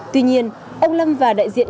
tuy nhiên ông lâm và đại diện